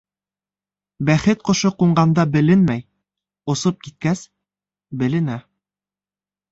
Бәхет ҡошо ҡунғанда беленмәй, осоп киткәс, беленә.